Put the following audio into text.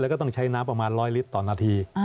แล้วก็ต้องใช้น้ำประมาณ๑๐๐ลิตรต่อนาที